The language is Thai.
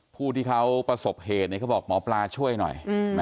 ผู้ที่เขาประสบเหตุเขาบอกหมอปลาช่วยหน่อย